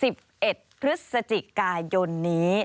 ๑๑พฤศจิกายนนี้